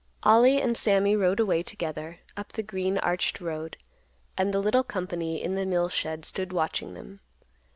Ollie and Sammy rode away together, up the green arched road, and the little company in the mill shed stood watching them.